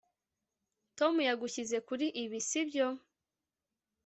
tom yagushyize kuri ibi, sibyo